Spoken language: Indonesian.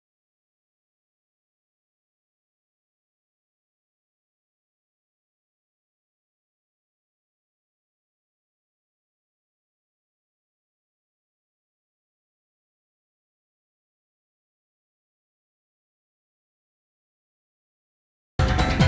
masih lu nunggu